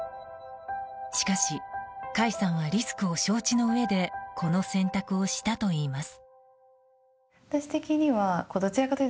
しかし、甲斐さんはリスクを承知のうえでこの選択をしたといいます。